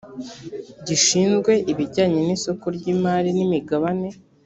gishinzwe ibijyanye n’isoko ry’imari n’imigabane